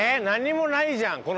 何もないじゃん